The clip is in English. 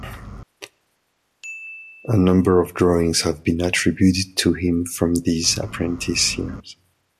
A number of drawings have been attributed to him from these apprentice years.